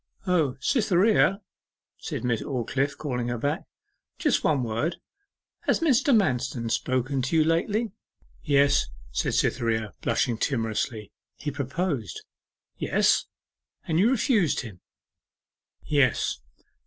'O, Cytherea,' said Miss Aldclyffe, calling her back; 'just one word. Has Mr. Manston spoken to you lately?' 'Yes,' said Cytherea, blushing timorously. 'He proposed?' 'Yes.' 'And you refused him?' 'Yes.